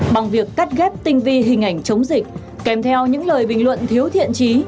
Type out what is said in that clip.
bằng việc cắt ghép tinh vi hình ảnh chống dịch kèm theo những lời bình luận thiếu thiện trí